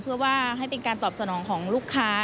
เพื่อว่าให้เป็นการตอบสนองของลูกค้า